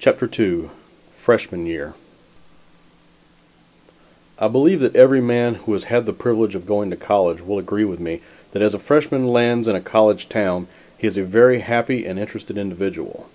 CHAPTER II FRESHMAN YEAR I believe that every man who has had the privilege of going to college will agree with me that as a freshman lands in a college town, he is a very happy and interested individual.